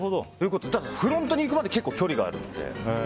フロントに行くまで結構距離があるので。